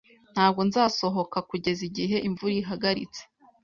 Ntabwo nzasohoka kugeza igihe imvura ihagaritse